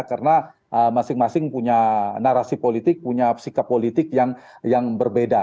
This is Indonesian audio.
karena masing masing punya narasi politik punya sikap politik yang berbeda